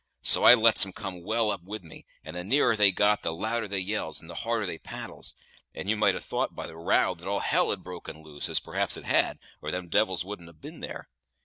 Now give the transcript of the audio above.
So I lets 'em come well up with me, and the nearer they got, the louder they yells, and the harder they paddles; and you might ha' thought by the row that all hell had broke loose, as perhaps it had, or them devils wouldn't ha' been there.